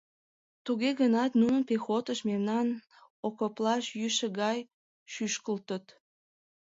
Туге гынат нунын пехотышт мемнан окоплаш йӱшӧ гай шӱшкылтыт.